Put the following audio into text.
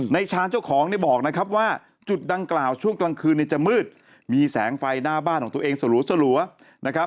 ชาญเจ้าของเนี่ยบอกนะครับว่าจุดดังกล่าวช่วงกลางคืนจะมืดมีแสงไฟหน้าบ้านของตัวเองสลัวนะครับ